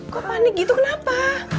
kok panik gitu kenapa